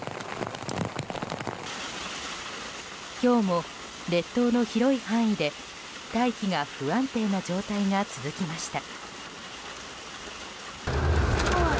今日も列島の広い範囲で大気が不安定な状態が続きました。